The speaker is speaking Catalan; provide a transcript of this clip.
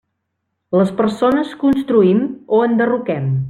Les persones construïm o enderroquem.